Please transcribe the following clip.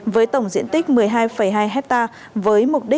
với tổng diện tích một mươi hai hai hectare